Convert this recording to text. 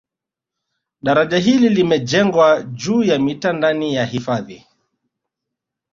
Daraja hili limejengwa juu ya miti ndani ya hifadhi